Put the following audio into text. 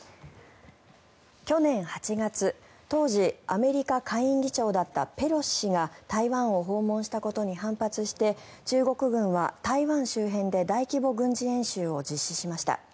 去年８月、当時アメリカ下院議長だったペロシ氏が台湾を訪問したことに反発して中国軍は台湾周辺で大規模軍事演習を実施しました。